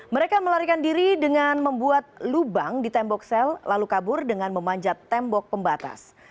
mereka melarikan diri dengan membuat lubang di tembok sel lalu kabur dengan memanjat tembok pembatas